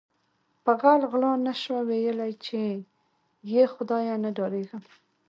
په غل غلا نشوه ویل یی چې ی خدای نه ډاریږم